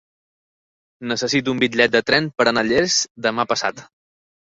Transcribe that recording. Necessito un bitllet de tren per anar a Llers demà passat.